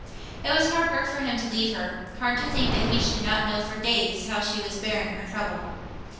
It was hard work for him to leave her—hard to think that he should not know for days how she was bearing her trouble.